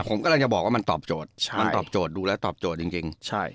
ผมกำลังจะบอกว่ามันตอบโจทย์ใช่มันตอบโจทย์ดูแล้วตอบโจทย์จริงใช่